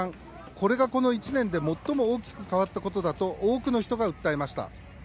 これが、この１年で最も大きく変わったことだと多くの人が訴えました。